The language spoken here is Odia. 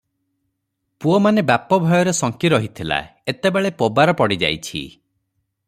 ପୁଅମାନେ ବାପ ଭୟରେ ଶଙ୍କି ରହିଥିଲା, ଏତେବେଳେ ପୋବାର ପଡ଼ିଯାଇଅଛି ।